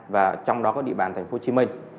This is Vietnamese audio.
và trong đó có địa bàn thành phố hồ chí minh